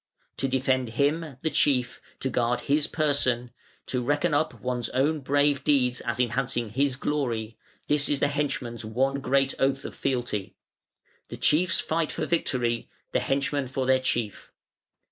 To defend him, the chief; to guard his person; to reckon up one's own brave deeds as enhancing his glory: this is the henchman's one great oath of fealty. The chiefs fight for victory, the henchmen for their chief.